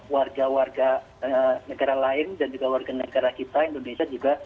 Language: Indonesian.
warga warga negara lain dan juga warga negara kita indonesia juga